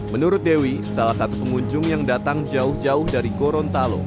menurut dewi salah satu pengunjung yang datang jauh jauh dari gorontalo